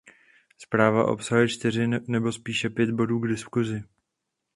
Zpráva obsahuje čtyři nebo spíše pět bodů k diskusi.